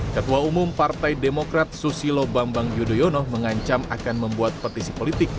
ketua umum partai demokrat susilo bambang yudhoyono mengancam akan membuat petisi politik